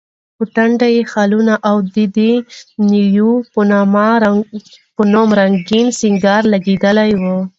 په ټنډه یې خالونه، او د دڼیو په نوم رنګین سینګار لګېدلی و.